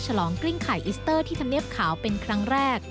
ฉลองกริ้งไข่อิสเตอร์ที่ธรรมเนียบขาวเป็นครั้งแรก